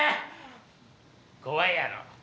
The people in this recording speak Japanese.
怖いやろ？